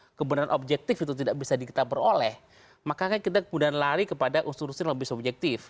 karena jika kebenaran objektif itu tidak bisa kita beroleh maka kita kemudian lari kepada konstruksi yang lebih subjektif